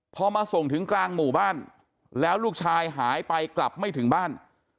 พอมาส่งถึงกลางหมู่บ้านแล้วลูกชายหายไปกลับไม่ถึงบ้าน